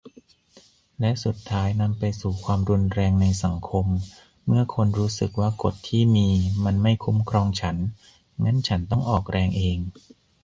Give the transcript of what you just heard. และสุดท้ายนำไปสู่ความรุนแรงในสังคม เมื่อคนรู้สึกว่ากฎที่มีมันไม่คุ้มครองฉัน งั้นฉันต้องออกแรงเอง